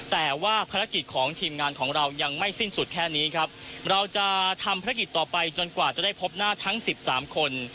แต่ว่าภารกิจของทีมงานของเรายังไม่สิ้นสุดแค่นี้ครับเราจะทำภารกิจต่อไปจนกว่าจะได้พบหน้าทั้งสิบสามคน